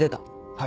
はい。